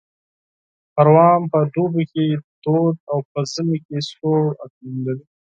پروان په دوبي کې تود او په ژمي کې سوړ اقلیم لري